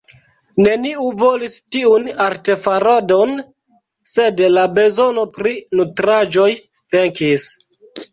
Neniu volis tiun artefaradon, sed la bezono pri nutraĵoj venkis.